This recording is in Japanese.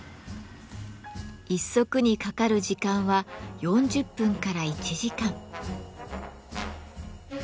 一足にかかる時間は４０分から１時間。